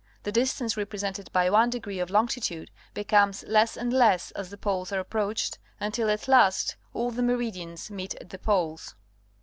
The distance represented by 1° of longitude becomes less and less as the poles are approached, until at last all the meridians meet at the poles.